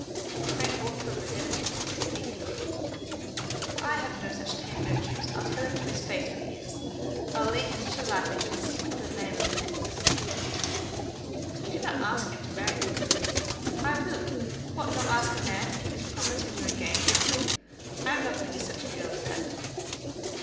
Frank ought to have resented the attack, but he did not. "I have no such tame virtues. I'll tell him to his face what he is. I'll lead him such a life that he shall be sick of the very name of necklace." "You cannot ask him to marry you." "I will. What, not ask a man to keep his promise when you are engaged to him? I am not going to be such a girl as that."